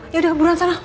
yaudah buruan sana